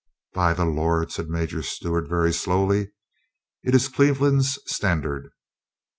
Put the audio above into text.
"By the Lord," said Major Stewart very slowly, "it is Cleveland's standard